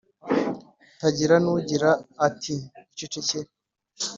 tagira n’ugira ati icecekere !